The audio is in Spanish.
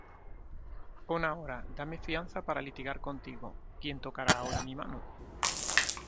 Pon ahora, dame fianza para litigar contigo: ¿Quién tocará ahora mi mano?